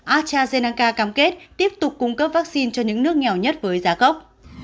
astrazeneca cam kết tiếp tục cung cấp vaccine cho những nước nghèo nhất với giá gốc